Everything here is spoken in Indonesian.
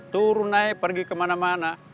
turun naik pergi kemana mana